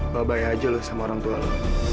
bye bye aja lu sama orang tua lu